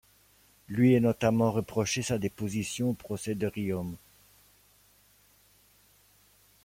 Lui est notamment reproché sa déposition au procès de Riom.